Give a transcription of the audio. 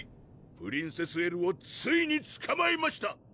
プリンセス・エルをついにつかまえました！